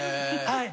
はい。